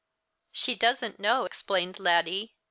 She doesn't know," exi)lained Laddie.